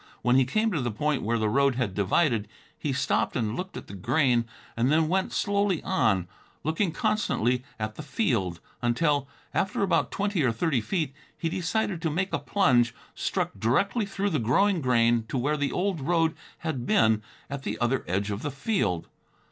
When he came to the point where the road had divided, he stopped and looked at the grain, and then went slowly on, looking constantly at the field, until, after about twenty or thirty feet, he decided to make a plunge, and struck directly through the growing grain to where the old road had been at the other edge of the field.